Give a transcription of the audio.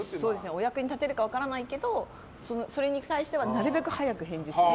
お役に立てるか分からないけどそれに関してはなるべく早く返事する。